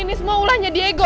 ini semua ulahnya diego